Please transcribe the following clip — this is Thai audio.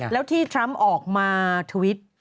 แล้วที่ทรัมป์ออกมาทวิต